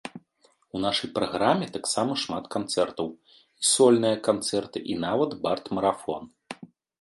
У нашай праграме таксама шмат канцэртаў, і сольныя канцэрты і нават бард-марафон.